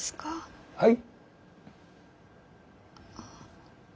はい？